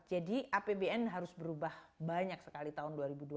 jadi apbn harus berubah banyak sekali tahun dua ribu dua puluh